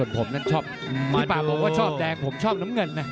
ผมชอบน้ำเงินน่ะ